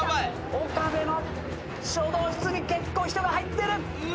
岡部の書道室に結構人が入ってる。